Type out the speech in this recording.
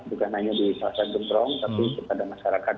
bukan hanya di pasar gemprong tapi kepada masyarakat